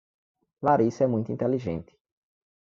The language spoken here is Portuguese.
Larissa é muito inteligente.